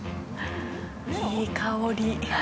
いい香り。